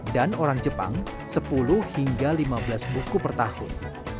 dan orang jepang sepuluh hingga lima belas buku per tahun